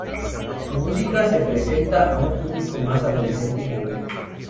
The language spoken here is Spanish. Su música se presenta a un público más adolescente y juvenil.